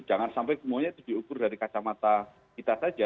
jangan sampai semuanya itu diukur dari kacamata kita saja